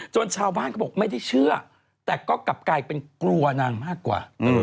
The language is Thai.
ชาวบ้านก็บอกไม่ได้เชื่อแต่ก็กลับกลายเป็นกลัวนางมากกว่า